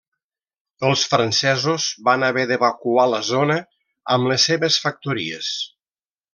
Els francesos van haver d'evacuar la zona amb les seves factories.